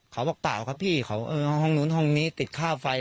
เปล่าครับพี่เขาเออห้องนู้นห้องนี้ติดค่าไฟ